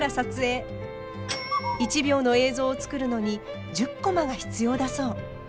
１秒の映像を作るのに１０コマが必要だそう。